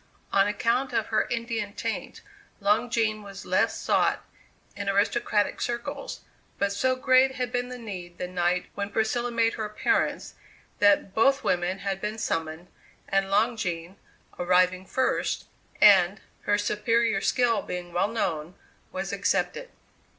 On account of her Indian taint Long Jean was less sought in aristocratic circles, but so great had been the need the night when Priscilla made her appearance, that both women had been summoned, and Long Jean, arriving first, and, her superior skill being well known, was accepted.